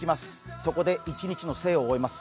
そこで一日の生を終えます。